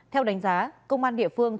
theo đánh giá công an địa phương